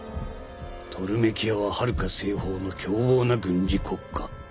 トルメキアははるか西方の凶暴な軍事国家。